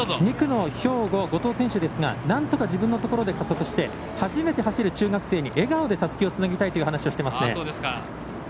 ２区の兵庫、後藤選手ですがなんとか自分のところで加速して、初めて走る中学生に笑顔でたすきをつなぎたいと話しています。